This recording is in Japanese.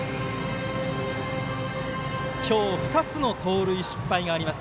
今日、２つの盗塁失敗があります。